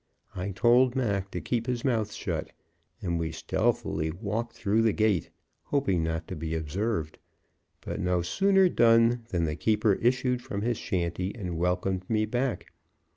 I told Mac to keep his mouth shut, and we stealthily walked through the gate, hoping not to be observed; but no sooner done than the keeper issued from his shanty and welcomed me back.